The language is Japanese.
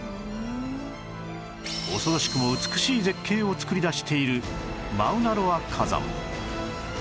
恐ろしくも美しい絶景を作り出しているマウナ・ロア火山